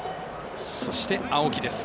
そして、青木です。